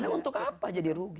karena untuk apa jadi rugi